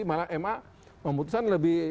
malah ma memutusan lebih